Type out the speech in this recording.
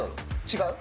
違う？